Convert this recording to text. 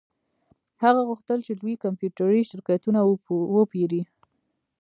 هغه غوښتل چې لوی کمپیوټري شرکتونه وپیري